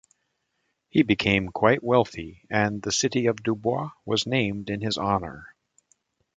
He became quite wealthy and the city of DuBois was named in his honor.